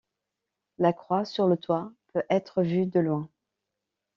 La croix sur le toit peut être vue de loin.